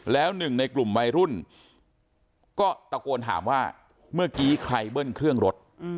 แล้วหนึ่งในกลุ่มวัยรุ่นก็ตะโกนถามว่าเมื่อกี้ใครเบิ้ลเครื่องรถ